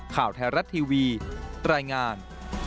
ข่าวไทยรัฐทีวีรายงาน